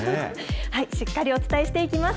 しっかりお伝えしていきます。